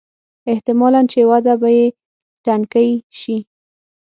احتمالاً چې وده به یې ټکنۍ شي.